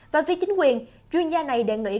và vì chính quyền chuyên gia này đề nghị